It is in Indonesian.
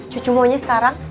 cucu maunya sekarang